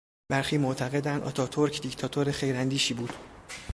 برخی معتقدند آتاتورک دیکتاتور خیراندیشی بود.